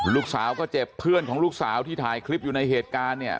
ลูกสาวก็เจ็บเพื่อนของลูกสาวที่ถ่ายคลิปอยู่ในเหตุการณ์เนี่ย